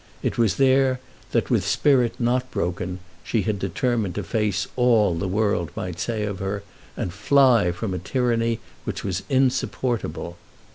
It was there that, with spirit not broken, she had determined to face all that the world might say of her, and fly from a tyranny which was insupportable.